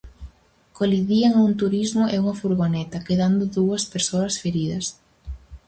Colidían un turismo e unha furgoneta, quedando dúas persoas feridas.